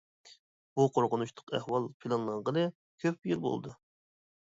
بۇ قورقۇنچلۇق ئەھۋال پىلانلانغىلى كۆپ يىل بولدى.